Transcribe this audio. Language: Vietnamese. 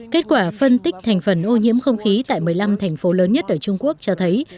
kết quả phân tích thành phần ô nhiễm không khí tại một mươi năm thành phố lớn nhất ở trung quốc cho thấy